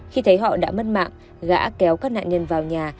khi thấy họ đã mất mạng gã kéo các nạn nhân vào nhà